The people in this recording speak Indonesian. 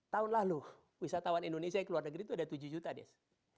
tahun lalu wisatawan indonesia yang keluar negeri itu ada tujuh juta des